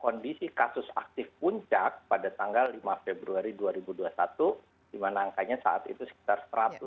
kondisi kasus aktif puncak pada tanggal lima februari dua ribu dua puluh satu dimana angkanya saat itu sekitar satu ratus tujuh puluh enam